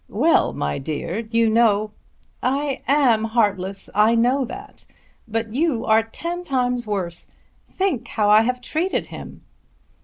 "Well; my dear; you know " "I am heartless. I know that. But you are ten times worse. Think how I have treated him!"